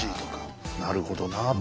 なるほどなあと。